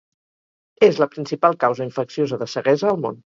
És la principal causa infecciosa de ceguesa al món.